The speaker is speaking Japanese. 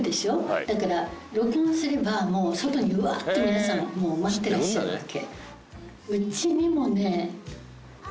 だから録音すればもう外にうわーって皆さん待ってらっしゃるわけ。